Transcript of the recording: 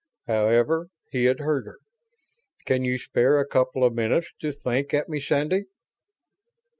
However, he had heard her. "Can you spare a couple of minutes to think at me, Sandy?"